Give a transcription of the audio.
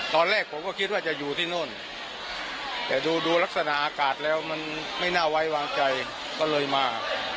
ตอนแรกผมก็คิดว่าจะอยู่ที่โน่นแต่ดูลักษณะอากาศแล้วมันไม่น่าไว้วางใจก็เลยมา